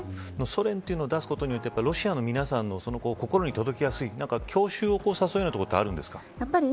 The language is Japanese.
ソ連というのを出すことによってロシアの皆さんの心に届きやすい郷愁を起こさせるようなところがあるんですかね。